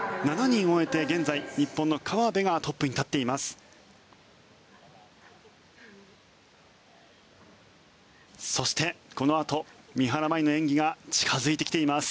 ７人終えて現在、日本の河辺がトップに立っています。